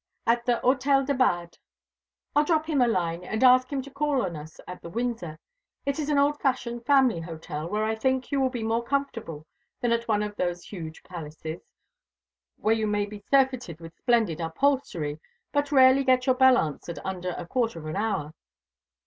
"At the Hôtel de Bade." "I'll drop him a line, and ask him to call on us at the Windsor. It is an old fashioned family hotel, where I think you will be more comfortable than at one of those huge palaces, where you may be surfeited with splendid upholstery, but rarely get your bell answered under a quarter of an hour.